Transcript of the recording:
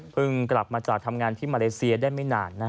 กลับมาจากทำงานที่มาเลเซียได้ไม่นาน